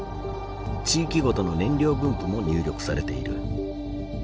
地域ごとの燃料分布も入力されている。